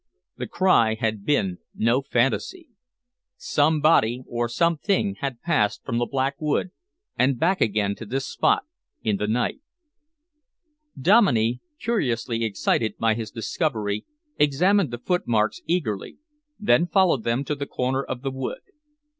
The cry had been no fantasy. Somebody or something had passed from the Black Wood and back again to this spot in the night. Dominey, curiously excited by his discovery, examined the footmarks eagerly, then followed them to the corner of the wood.